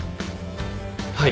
はい。